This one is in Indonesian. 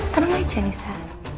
tenang aja nisa